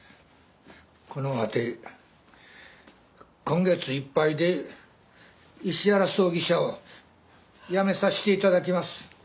このわて今月いっぱいで石原葬儀社を辞めさしていただきます。